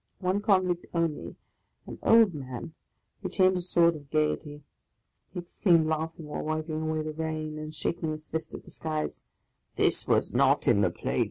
One convict only, an old man, retained a sort of gaiety. He exclaimed laughing, while wiping away the rain, and shaking his fist at the skies, " This was not in the playbill